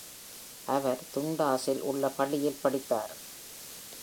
அவர் துண்டாஸில் உள்ள பள்ளியில் படித்தார்.